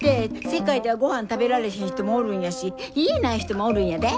世界ではごはん食べられへん人もおるんやし家ない人もおるんやで！